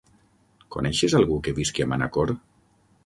Coneixes algú que visqui a Manacor?